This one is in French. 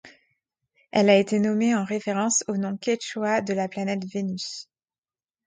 Elle a été nommée en référence au nom quechua de la planète Vénus.